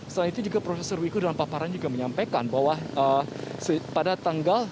setelah itu juga prof wiku dalam pamparan juga menyampaikan bahwa pada tanggal